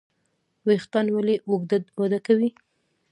ویښتان ولې وده کوي؟